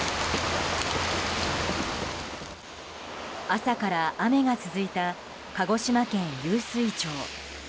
朝から雨が続いた鹿児島県湧水町。